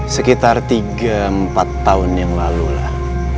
sekitar tiga empat tahun yang lalu lah